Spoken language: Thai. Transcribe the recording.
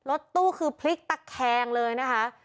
รถตู้คือพลิกตะแคงเลยนะคะ